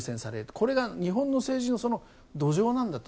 これが日本の政治の土壌なんだと。